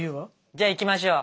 じゃあいきましょう。